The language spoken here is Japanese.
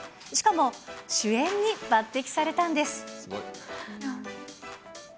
しかも、主演に抜てきされたんです。